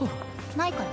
ないから。